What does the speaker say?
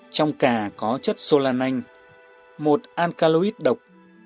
trong cà có chất solanine một alkaloid độc